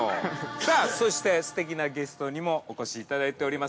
さあ、そして、すてきなゲストにもお越しいただいております。